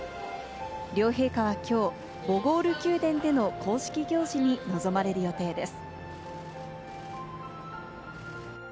両陛下はきょうボゴール宮殿での公式行事に臨まれる予定です。